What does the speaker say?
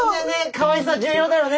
かわいさ重要だよね！